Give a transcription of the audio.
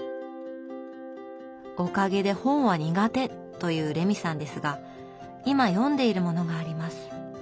おかげで本は苦手というレミさんですが今読んでいるものがあります。